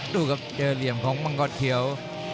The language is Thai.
ดูครับเจอเหลี่ยมของมังกรเขียว